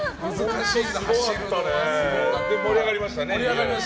盛り上がりましたね。